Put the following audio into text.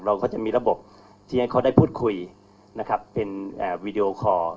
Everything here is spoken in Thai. เราก็จะมีระบบที่ให้เขาได้พูดคุยนะครับเป็นวีดีโอคอร์